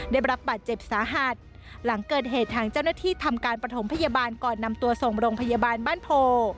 ได้รับบาดเจ็บสาหัสหลังเกิดเหตุทางเจ้าหน้าที่ทำการประถมพยาบาลก่อนนำตัวส่งโรงพยาบาลบ้านโพ